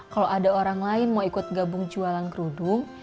kalau ada orang lain mau ikut gabung jualan kerudung